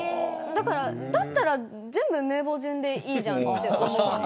だったら全部名簿順でいいじゃんと思って。